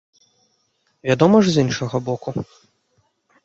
Вядома ж, з іншага боку.